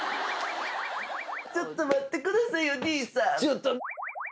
「ちょっと待ってくださいよ兄さん！」